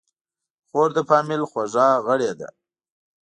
خور د فامیل خوږه غړي ده.